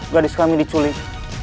gadis kami diculik